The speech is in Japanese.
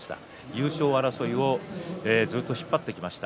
優勝争いをずっと引っ張ってきました。